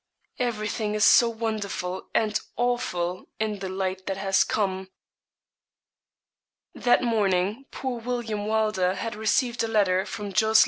'Everything is so wonderful and awful in the light that has come.' That morning, poor William Wylder had received a letter from Jos.